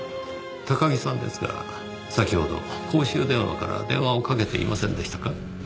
高木さんですが先ほど公衆電話から電話をかけていませんでしたか？